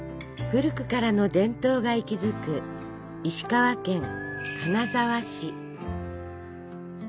古くからの伝統が息づく石川県金沢市。